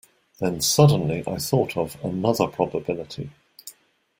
Then suddenly I thought of another probability.